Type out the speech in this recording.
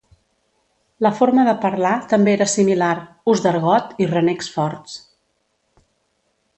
La forma de parlar també era similar: ús d'argot i renecs forts.